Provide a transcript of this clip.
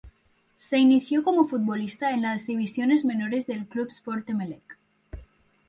Se inició como futbolista en las divisiones menores del Club Sport Emelec.